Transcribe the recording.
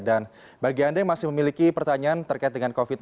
dan bagi anda yang masih memiliki pertanyaan terkait dengan covid sembilan belas